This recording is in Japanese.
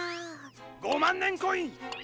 ・５まんねんコイン！